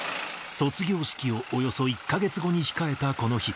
卒業式をおよそ１か月後に控えたこの日。